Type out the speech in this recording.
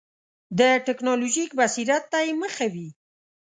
د ټکنالوژیک بصیرت ته یې مخه وي.